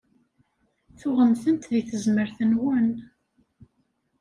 Tuɣem-tent deg tezmert-nwen.